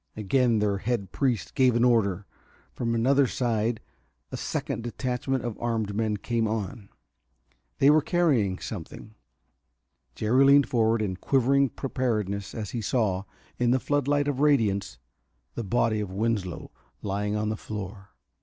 Again their head priest gave an order; from another side a second detachment of armed men came on. They were carrying something. Jerry leaned forward in quivering preparedness as he saw, in the floodlight of radiance, the body of Winslow lying on the floor.